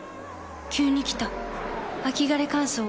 急に来た秋枯れ乾燥。